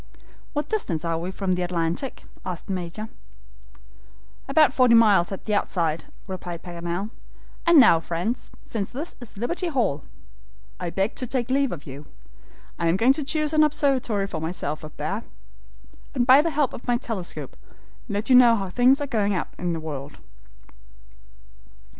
"What distance are we from the Atlantic?" asked the Major. "About forty miles at the outside," replied Paganel; "and now, friends, since this is Liberty Hall, I beg to take leave of you. I am going to choose an observatory for myself up there, and by the help of my telescope, let you know how things are going on in the world."